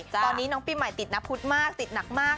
ตอนนี้น้องปีใหม่ติดณพุธมากติดหนักมาก